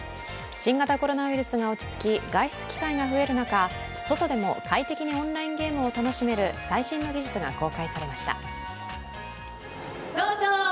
新型コロナウイルスが落ち着き外出機会が増える中、外でも快適にオンラインゲームを楽しめる最新の技術も公開されました。